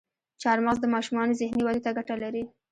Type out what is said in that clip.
چارمغز د ماشومانو ذهني ودې ته ګټه لري.